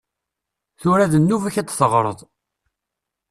Tura d nnuba-k ad d-teɣreḍ.